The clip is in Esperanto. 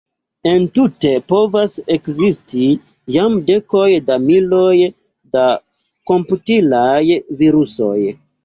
Entute povas ekzisti jam dekoj da miloj da komputilaj virusoj.